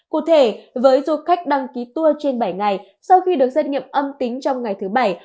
cụ thể với du khách đăng ký tour trên bảy ngày sau khi được xét nghiệm âm tính trong ngày thứ bảy